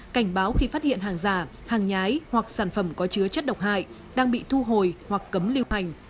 cảnh báo khi phát hiện hàng giả hàng nhái hoặc sản phẩm có chứa chất độc hại đang bị thu hồi hoặc cấm lưu hành